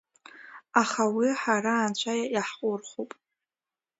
Аха уи ҳара анцәа иаҳҟәырхуп.